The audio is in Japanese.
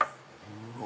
うわ。